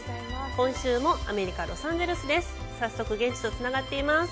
今週もアメリカ・ロサンゼルスです。